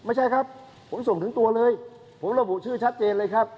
ไม่ใช่ครับผมส่งถึงตัวเลยผมระบุชื่อชัดเจนเลยครับ